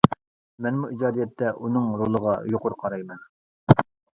مەنمۇ ئىجادىيەتتە ئۇنىڭ رولىغا يۇقىرى قارايمەن.